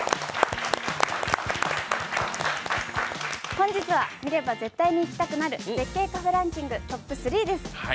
本日は、見れば絶対に行きたくなる絶景カフェランキングトップ３です。